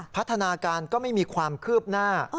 พัฒนาการก็ไม่มีความคืบหน้า